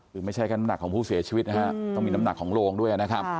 คือไม่ใช่แค่น้ำหนักของผู้เสียชีวิตนะฮะต้องมีน้ำหนักของโรงด้วยนะครับ